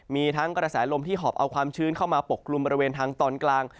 มีทั้งกระแสลมที่หอบเอาความชื้นเข้ามาปกกลุ่มบริเวณทางตอนกลาง